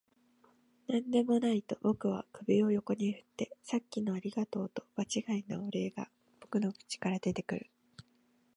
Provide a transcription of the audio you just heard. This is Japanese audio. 「何でもない」と僕は首を横に振って、「さっきのありがとう」と場違いなお礼が僕の口から出てくる